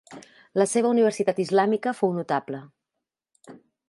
La seva universitat islàmica fou notable.